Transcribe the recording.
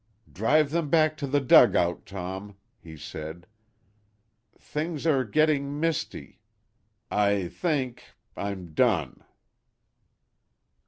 "Drive back to the dugout, Tom," he said. "Things are getting misty. I think I'm done."